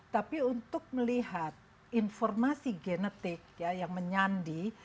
tapi untuk melihat informasi genetik yang menyandi